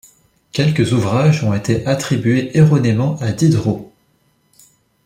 Quelques ouvrages ont été attribués erronément à Diderot.